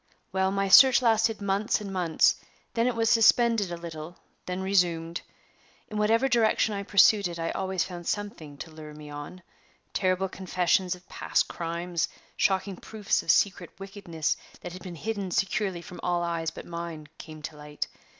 "Well, my search lasted months and months; then it was suspended a little; then resumed. In whatever direction I pursued it I always found something to lure me on. Terrible confessions of past crimes, shocking proofs of secret wickedness that had been hidden securely from all eyes but mine, came to light.